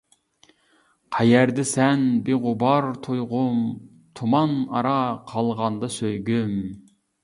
قەيەردىسەن بىغۇبار تۇيغۇم، تۇمان ئارا قالغاندا سۆيگۈم.